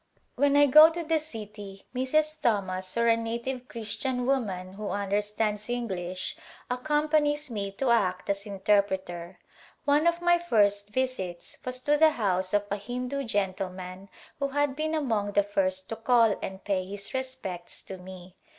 When I go to the city Mrs. Thomas or a native Christian woman who understands English accom panies me to act as interpreter. One of my first visits was to the house of a Hindu gentleman who had been among the first to call and pay his respects to me.